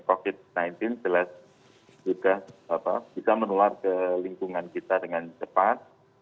covid sembilan belas jelas sudah bisa menular ke lingkungan kita dengan cepat